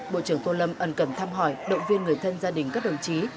bộ trưởng tô lâm ẩn cần thăm hỏi động viên người thân gia đình các đồng chí